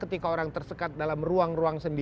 ketika orang tersekat dalam ruang ruang sendiri